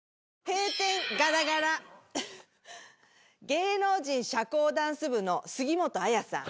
芸能人社交ダンス部の杉本彩さん。